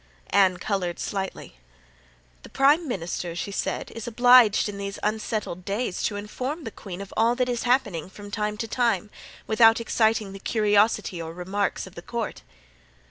Anne colored slightly. "The prime minister," she said, "is obliged in these unsettled days to inform the queen of all that is happening from time to time, without exciting the curiosity or remarks of the court."